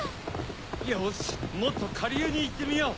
よしもっとかりゅうにいってみよう。